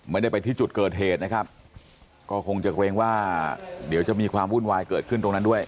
ไม่ได้ไปที่จุดเกิดเหตุนะครับก็คงจะเกรงว่าเดี๋ยวจะมีความวุ่นวายเกิดขึ้นตรงนั้นด้วย